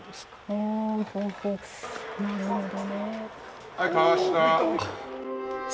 あなるほど。